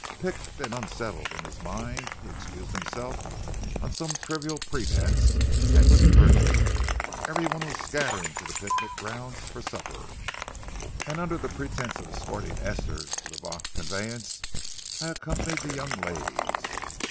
Piqued and unsettled in his mind, he excused himself on some trivial pretense and withdrew. Every one was scattering to the picnic grounds for supper, and under the pretense of escorting Esther to the Vaux conveyance, I accompanied the young ladies.